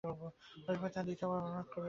পরেশবাবু তাহাকে দ্বিতীয় বার অনুরোধ করিলেন না।